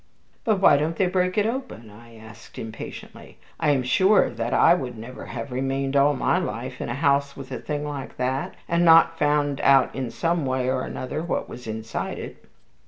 "But why don't they break it open?" I asked, impatiently. "I am sure that I would never have remained all my life in a house with a thing like that, and not found out in some way or another what was inside it."